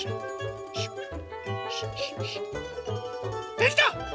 できた！